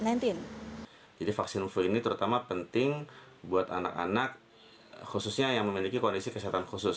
jadi vaksin flu ini terutama penting buat anak anak khususnya yang memiliki kondisi kesehatan khusus